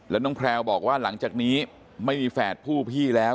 แล้วน้องแพลวบอกว่าหลังจากนี้ไม่มีแฝดผู้พี่แล้ว